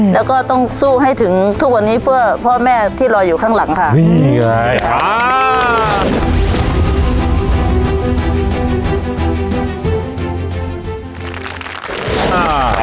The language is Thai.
แล้วก็ต้องสู้ให้ถึงทุกวันนี้เพื่อพ่อแม่ที่รออยู่ข้างหลังค่ะ